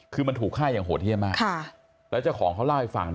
คือมันถูกฆ่าอย่างโหดเยี่ยมมากแล้วเจ้าของเขาเล่าให้ฟัง